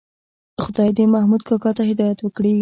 خدای دې محمود کاکا ته هدایت وکړي.